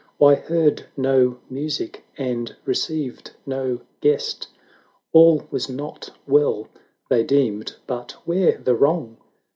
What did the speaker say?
Why heard no music, and received no guest ? All was not well, they deemed — but where the wrong?